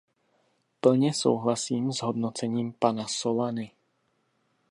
Plně souhlasím s hodnocením pana Solany.